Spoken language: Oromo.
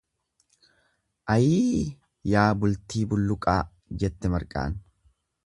Ayii yaa bultii bulluqaa jette marqaan.